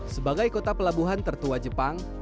sebagai kota pelabuhan tertua jepang